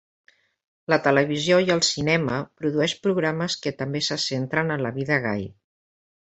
La televisió i el cinema produeix programes que també se centren en la vida gai.